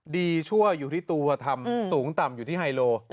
ชั่วอยู่ที่ตัวทำสูงต่ำอยู่ที่ไฮโล